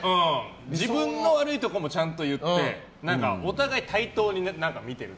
自分の悪いところもちゃんと言ってお互いに対等に見ている。